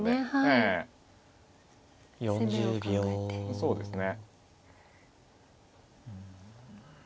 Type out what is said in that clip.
そうですね。